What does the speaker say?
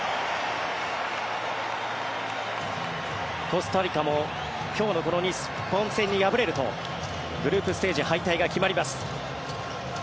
コスタリカも今日のこの日本戦に敗れるとグループステージ敗退が決まります。